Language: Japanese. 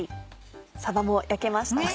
さばも焼けましたね。